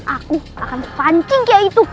aku akan pancing kyai itu